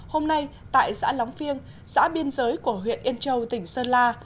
hôm nay tại xã lóng phiêng xã biên giới của huyện yên châu tỉnh sơn la